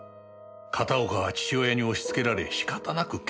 片岡は父親に押しつけられ仕方なく結婚したのだ。